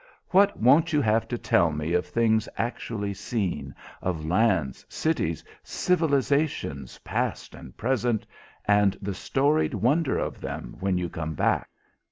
What won't you have to tell me of things actually seen, of lands, cities, civilizations, past and present, and the storied wonder of them, when you come back!"